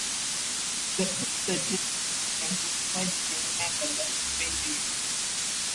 The Arthurdale experiment was widely remembered as a failure.